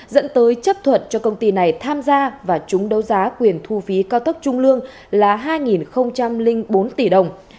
dẫn tới chấp thuận cho công ty này tham gia và chúng đấu giá quyền thu phí cao tốc trung lương là hai bốn tỷ đồng